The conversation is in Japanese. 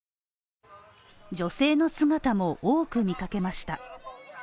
女性の姿も多く見掛けました。